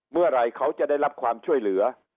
เมื่อไหร่เขาจะได้รับความช่วยเหลือ